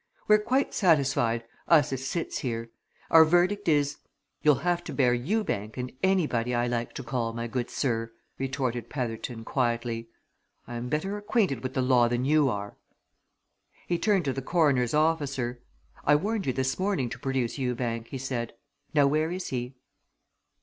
"We're quite satisfied, us as sits here. Our verdict is " "You'll have to bear Ewbank and anybody I like to call, my good sir," retorted Petherton quietly. "I am better acquainted with the law than you are." He turned to the coroner's officer. "I warned you this morning to produce Ewbank," he said. "Now, where is he?"